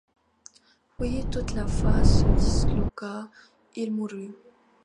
Puis, toute la face se disloqua, il mourut.